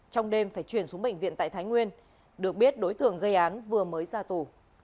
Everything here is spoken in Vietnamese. trong đêm phải chuyển xuống bệnh viện tại thái nguyên được biết đối tượng gây án vừa mới ra tù